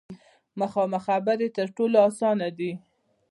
مخامخ خبرې تر ټولو اسانه دي.